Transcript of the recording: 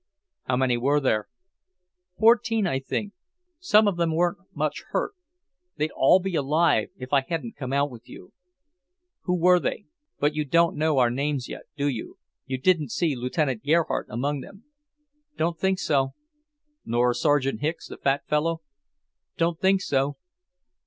"How many were there?" "Fourteen, I think. Some of them weren't much hurt. They'd all be alive, if I hadn't come out with you." "Who were they? But you don't know our names yet, do you? You didn't see Lieutenant Gerhardt among them?" "Don't think so." "Nor Sergeant Hicks, the fat fellow?" "Don't think so."